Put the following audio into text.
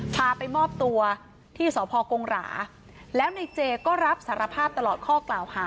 พาไปมอบตัวที่สพกงหราแล้วในเจก็รับสารภาพตลอดข้อกล่าวหา